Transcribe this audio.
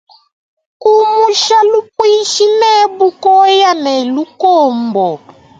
Kumusha lupuishi ne bukoya ne lukombo.